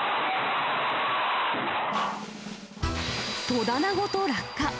戸棚ごと落下。